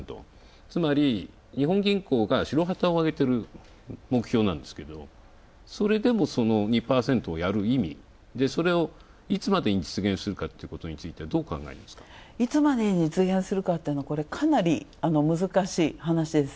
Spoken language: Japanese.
つまり日本銀行が白旗を掲げてる、それでも、２％をやる意味、それをいつまでに実現するかということについていつまでに実現するかって、かなり難しい話です。